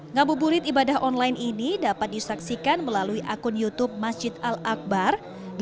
ngabuburit ibadah online ini dapat disaksikan melalui akun youtube masjid al akbar